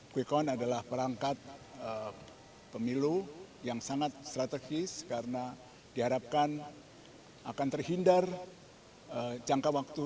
quick count adalah perangkat pemilu yang sangat strategis karena diharapkan akan terhindar jangka waktu